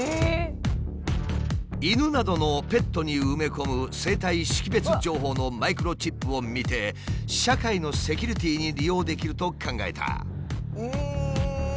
犬などのペットに埋め込む生体識別情報のマイクロチップを見て社会のセキュリティーに利用できると考えた。